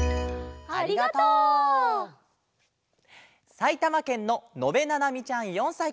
さいたまけんののべななみちゃん４さいから。